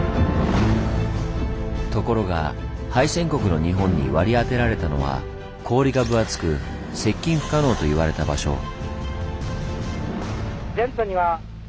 ところが敗戦国の日本に割り当てられたのは氷が分厚く接近不可能と言われた場所。